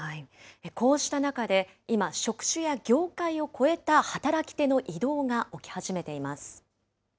こうした中で、今、職種や業界を超えた働き手の移動が起き始めています。